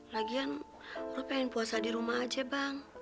lagian lo pengen puasa di rumah aja bang